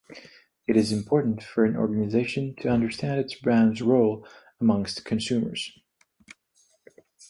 It is important for an organisation to understand its brand's role amongst consumers.